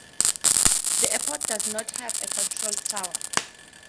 The airport does not have a control tower.